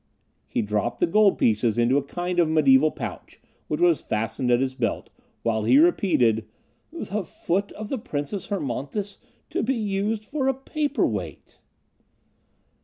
He dropped the gold pieces into a kind of medieval pouch which was fastened at his belt, while he repeated: "The foot of the Princess Hermonthis to be used for a paper weight!"